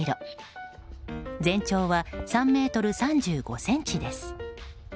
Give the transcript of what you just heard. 全長は３ｍ３５ｃｍです。